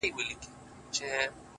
دا ستا خبري مي د ژوند سرمايه”